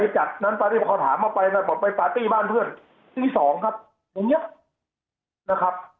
จัดพอถามเขาไปข้อบอกไปพาร์ตี้บ้านเพื่อนที่สองนะครับ